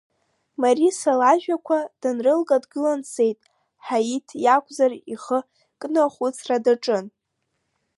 Мариса лажәақәа данрылга дгылан дцеит, Ҳаиҭ иакәзар, ихы кны ахәыцра даҿын.